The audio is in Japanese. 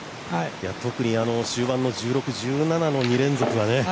特に終盤の１６、１７の２連続はね。